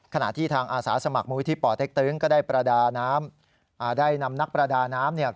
ขณะที่ทางอาสาสมัครมวิธีป่อเต็กตึงก็ได้นำนักประดาน้ำ